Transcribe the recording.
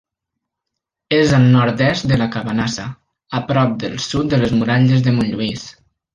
És al nord-est de la Cabanassa, a prop al sud de les muralles de Montlluís.